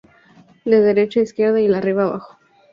De derecha a izquierda y de arriba a abajo.